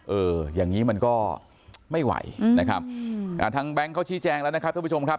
เอออย่างนี้มันก็ไม่ไหวนะครับทางแบงค์เขาชี้แจงแล้วนะครับท่านผู้ชมครับ